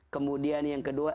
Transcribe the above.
kemudian yang kedua